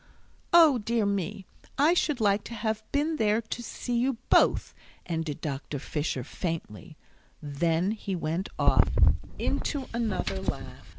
O dear me, I should like to have been there to see you both," ended Dr. Fisher, faintly. Then he went off into another laugh.